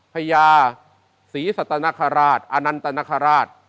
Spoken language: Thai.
พญาศรีสตรรรคราชอนันตรรรคราช